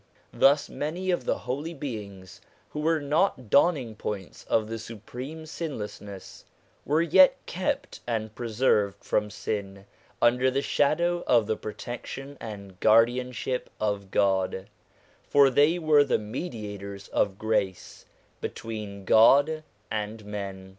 Thus many of the holy beings who were not dawning points of the Supreme Sinless ness, were yet kept and preserved from sin under the shadow of the protection and guardianship of God ; for they were the mediators of grace between God and men.